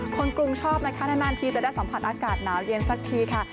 กรุงชอบนะคะนานที่จะได้สัมผัสอากาศหนาวเย็นสักทีค่ะ